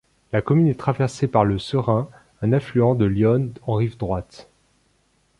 La commune est traversée par le Serein, un affluent de l'Yonne en rive droite.